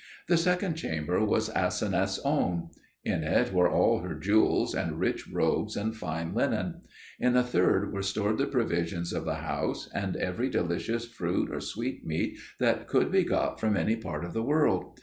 The second chamber was Aseneth's own. In it were all her jewels and rich robes and fine linen. In the third were stored the provisions of the house and every delicious fruit or sweetmeat that could be got from any part of the world.